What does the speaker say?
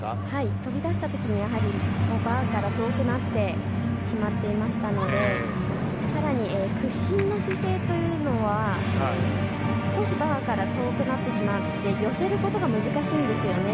飛び出した時に、バーから遠くなってしまっていたので更に屈身の姿勢というのは少しバーから遠くなってしまって寄せることが難しいんですよね。